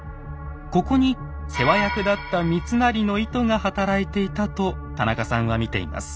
ここに世話役だった三成の意図が働いていたと田中さんは見ています。